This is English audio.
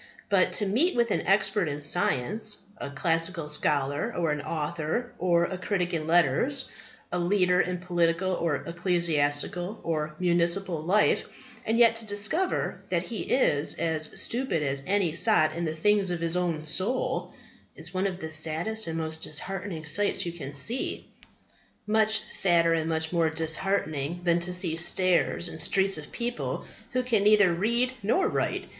But to meet with an expert in science, a classical scholar, an author or a critic in letters, a leader in political or ecclesiastical or municipal life, and yet to discover that he is as stupid as any sot in the things of his own soul, is one of the saddest and most disheartening sights you can see. Much sadder and much more disheartening than to see stairs and streets of people who can neither read nor write.